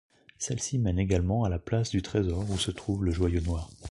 Celle-ci mène également à la Place du trésor où se trouve le joyau noir.